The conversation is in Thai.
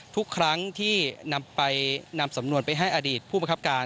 ทุกครั้งที่นำสำนวนไปให้อดีตผู้บังคับการ